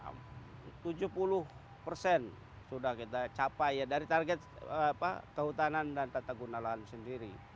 tujuh puluh persen sudah kita capai dari target kehutanan dan tata guna lahan sendiri